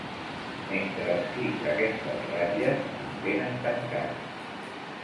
Mentre escric aquestes ratlles, em tenen tancat.